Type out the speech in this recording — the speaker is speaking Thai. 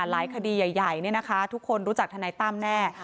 หลายคดีใหญ่ทุกคนรู้จักเทนต้ำแน่